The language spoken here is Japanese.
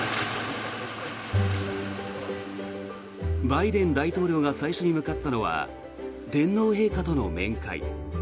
バイデン大統領が最初に向かったのは天皇陛下との面会。